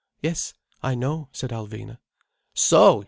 "Yes, I know," said Alvina. "So!